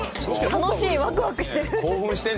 楽しいわくわくしてる。